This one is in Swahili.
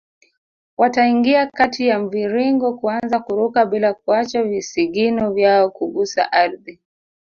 Wataingia kati ya mviringo kuanza kuruka bila kuacha visigino vyao kugusa ardhi